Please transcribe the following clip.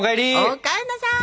お帰んなさい！